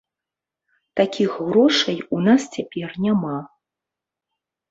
Такіх грошай у нас цяпер няма.